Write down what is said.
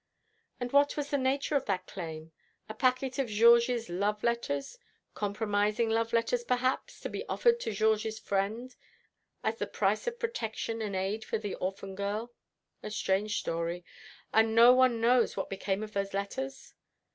And what was the nature of that claim? A packet of Georges' love letters. Compromising love letters, perhaps, to be offered to Georges' friend as the price of protection and aid for the orphan girl. A strange story. And no one knows what became of those letters?"